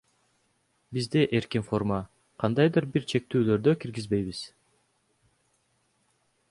Бизде эркин форма, кандайдыр бир чектөөлөрдү киргизбейбиз.